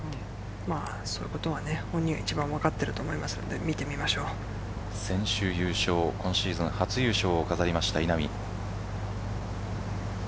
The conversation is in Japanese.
そういうことは本人が一番分かっていると思いますので先週優勝今シーズン初優勝を飾りました稲見。